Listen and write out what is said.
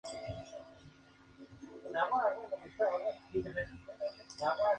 Desde entonces, Lynn ha sido el rostro de las modelos de tallas grandes.